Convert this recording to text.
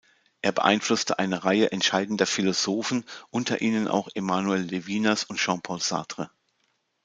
Er beeinflusste eine Reihe entscheidender Philosophen, unter ihnen auch Emmanuel Levinas und Jean-Paul Sartre.